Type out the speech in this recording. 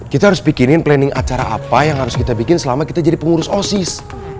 kita harus bikinin planning acara apa yang harus kita bikin selama kita jadi pengurus osis